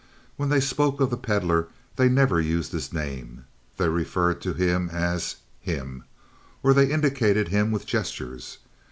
When they spoke of the Pedlar they never used his name. They referred to him as "him" or they indicated him with gestures.